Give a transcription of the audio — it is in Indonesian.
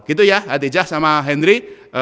gitu ya hadijah sama hendry